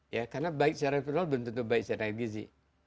ya karena baik secara virtual belum tentu baik secara gizi